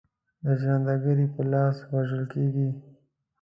د ژرند ګړي په لاس وژل کیږي.